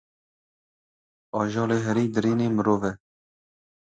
Ajalê herî dirinde, mirov e.